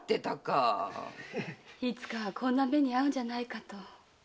いつかはこんな目に遭うんじゃないかと。